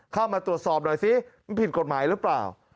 เข้ามาตรวจสอบหน่อยสิมันผิดกฎหมายหรือเปล่า